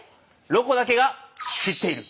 「ロコだけが知っている」！